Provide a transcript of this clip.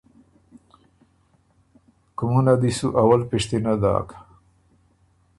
کُومُنه دی سو اول پِشتِنه داک۔